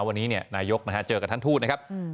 วันนี้เนี่ยนายกนะฮะเจอกับท่านทูตนะครับอยู่